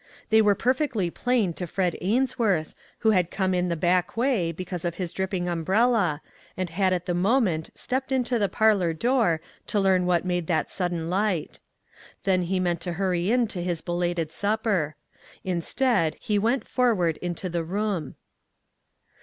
They were perfectly plain to Fred Ainsworth, who had come in the back way, because of his dripping umbrella, and had at the moment stepped to the parlor door to learn what made that sudden light. Then he meant to hurry in to his belated supper. Instead, he went' for ward into the room.